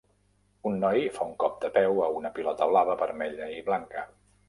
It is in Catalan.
Un noi fa un cop de peu a una pilota blava, vermella i blanca.